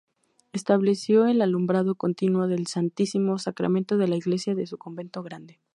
Estableció el alumbrado continuo del Santísimo Sacramento en la iglesia de su convento grande.